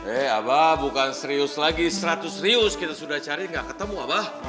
eh abah bukan serius lagi seratus serius kita sudah cari nggak ketemu abah